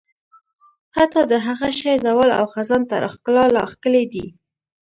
حتی د هغه شي زوال او خزان تر ښکلا لا ښکلی دی.